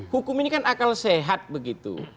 hukum ini kan akal sehat begitu